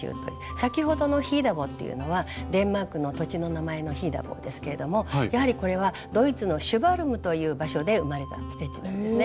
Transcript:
先ほどのヒーダボーっていうのはデンマークの土地の名前のヒーダボーですけれどもやはりこれはドイツのシュヴァルムという場所で生まれたステッチなんですね。